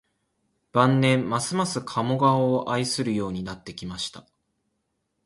晩年、ますます加茂川を愛するようになってきました